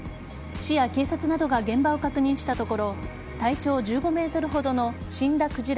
市や警察などが現場を確認したところ体長１５ｍほどの死んだクジラ